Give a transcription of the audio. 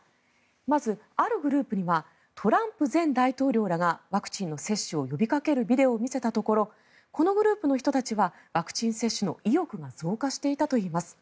まずあるグループにはトランプ前大統領らがワクチンの接種を呼びかけるビデオを見せたところこのグループの人たちはワクチン接種の意欲が増加していたといいます。